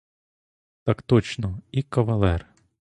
Так точно: і кавалер.